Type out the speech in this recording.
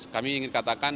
kami ingin katakan